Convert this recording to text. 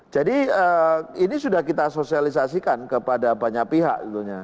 jadi ini sudah kita sosialisasikan kepada banyak pihak